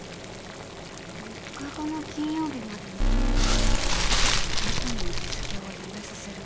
「３日後の金曜日までに犯人を見つけ猫の餌付けをやめさせること。